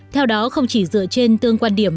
theo đó không chỉ dựa trên tương quan điểm